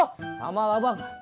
sama lah bang